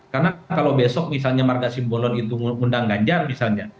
karena kalau besok misalnya marga simbolon itu undang ganjar misalnya